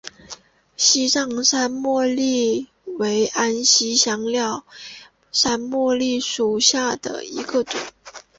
西藏山茉莉为安息香科山茉莉属下的一个种。